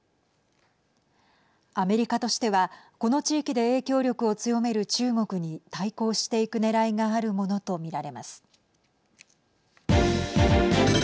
アメリカとしてはこの地域で影響力を強める中国に対抗していくねらいがあるものと見られます。